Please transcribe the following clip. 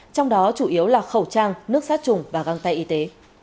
trong đó chủ yếu là khẩu trang nước sát trùng và găng tay y tế